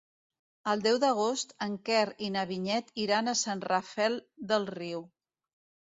El deu d'agost en Quer i na Vinyet iran a Sant Rafel del Riu.